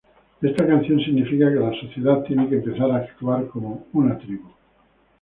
Esta canción significa que la sociedad tiene que empezar a actuar como "una tribu".